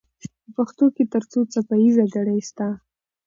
په پښتو کې تر څو څپه ایزه ګړې سته؟